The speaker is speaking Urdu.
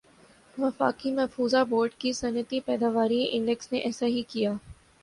وفاقی محفوظہ بورڈ کے صنعتی پیداواری انڈیکس نے ایسا ہی کِیا